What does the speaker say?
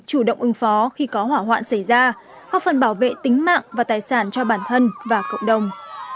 chủ động ứng phó khi có hỏa hoạn xảy ra góp phần bảo vệ tính mạng và tài sản cho bản thân và cộng đồng